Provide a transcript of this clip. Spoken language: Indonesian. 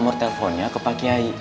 amor telponnya ke pak kiai